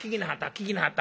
聞きなはった？